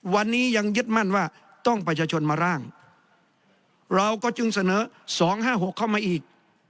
วันนี้ยังยึดมั่นว่าต้องประชาชนมาร่างเราก็จึงเสนอ๒๕๖เข้ามาอีก